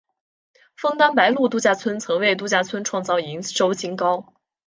枫丹白露度假村曾为度假村创造营收新高。